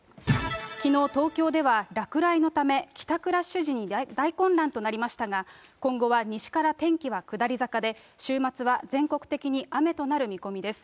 きのう、東京では落雷のため、帰宅ラッシュ時に大混乱となりましたが、今後は西から天気は下り坂で、週末は全国的に雨となる見込みです。